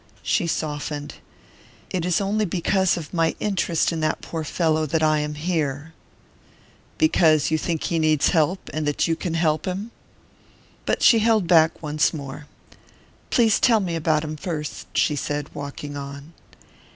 She softened. "It is only because of my interest in that poor fellow that I am here " "Because you think he needs help and that you can help him?" But she held back once more. "Please tell me about him first," she said, walking on.